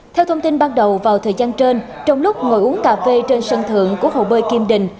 theo thông tin ban đầu vào thời gian trên trong lúc ngồi uống cà phê trên sân thượng của hồ bơi kim đình